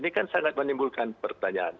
ini kan sangat menimbulkan pertanyaan